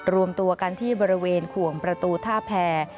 รวมตัวกันที่บริเวณขวงประตูท่าแพร